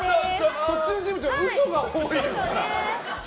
そっちのチームは嘘が多いですから。